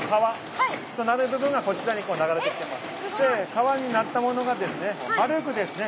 皮になったものがですね丸く出るんですね。